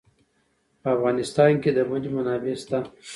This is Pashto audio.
په افغانستان کې د منی منابع شته.